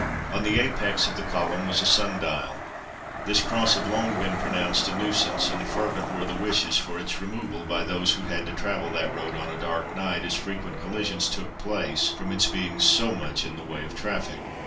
On the apex of the column was a sun dial. This Cross had long been pronounced a nuisance; and fervent were the wishes for its removal by those who had to travel that road on a dark night, as frequent collisions took place from its being so much in the way of the traffic.